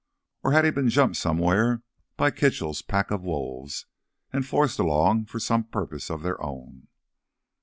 Or had he been jumped somewhere by Kitchell's pack of wolves and forced along for some purpose of their own?